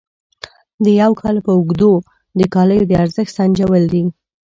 د یو کال په اوږدو د کالیو د ارزښت سنجول دي.